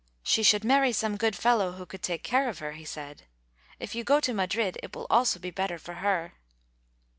"She should marry some good fellow who could take care of her," he said. "If you go to Madrid it will also be better for her."